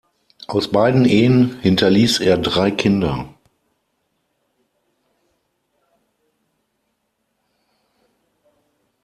Aus beiden Ehen hinterließ er drei Kinder.